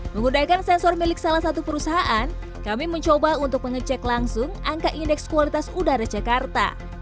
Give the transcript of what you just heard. menggunakan sensor milik salah satu perusahaan kami mencoba untuk mengecek langsung angka indeks kualitas udara jakarta